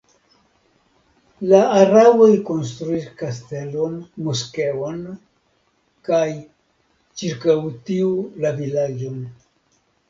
La araboj konstruis kastelon, moskeon kaj ĉirkaŭ tiu la vilaĝon.